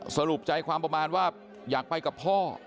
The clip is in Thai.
สรุปใจความประมาณว่าอยากไปกับพ่อ